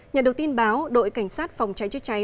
nhận được tin báo đội cảnh sát phòng trái chứa trái